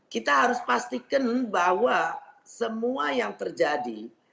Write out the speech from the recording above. kita harus pastikan bahwa semua yang terjadi